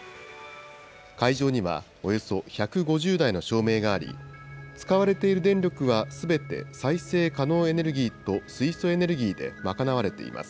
会場にはおよそ１５０台の照明があり、使われている電力はすべて再生可能エネルギーと水素エネルギーで賄われています。